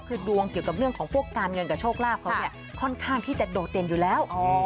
คือดวงเกี่ยวกับการเงินเครืองี้ค่อนข้างโดดเด่นอยู่แล้ว